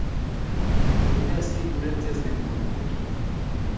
Kiine siguure sesengung Cookie?